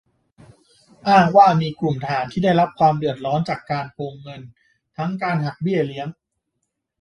อ้างว่ามีกลุ่มทหารที่ได้รับความเดือดร้อนจากการโกงเงิน ทั้งการหักเบี้ยเลี้ยง